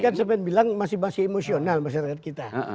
jadi kan seperti yang bilang masih masih emosional masyarakat kita